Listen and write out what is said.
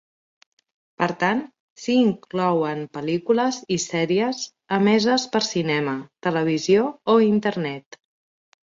Per tant, s'hi inclouen pel·lícules i sèries emeses per cinema, televisió o Internet.